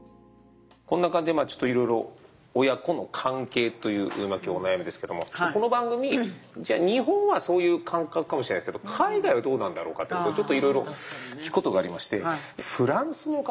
こんな感じでちょっといろいろ親子の関係という今日はお悩みですけどもこの番組じゃあ日本はそういう感覚かもしれないですけど海外はどうなんだろうかってことちょっといろいろ聞くことがありましてフランスの方。